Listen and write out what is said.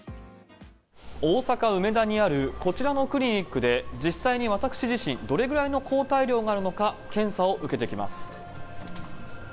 大阪・梅田にあるこちらのクリニックで、実際に私自身どれくらいの抗体量があるのか、検査を受けてきます。